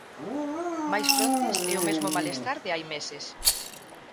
Máis frontes e o mesmo malestar de hai meses.